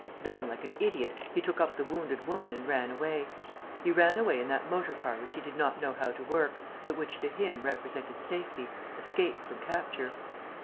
Then, like an idiot, he took up the wounded woman and ran away. He ran away in that motor car which he did not know how to work, but which to him represented safety, escape from capture.